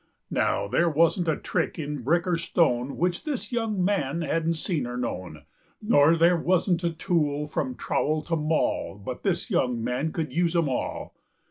Now there wasn't a trick in brick or stoneWhich this young man hadn't seen or known; Nor there wasn't a tool from trowel to maulBut this young man could use 'em all!